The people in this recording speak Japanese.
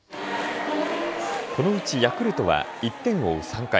このうちヤクルトは１点を追う３回。